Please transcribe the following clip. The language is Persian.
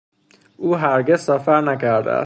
او هرگز سفر نکرده است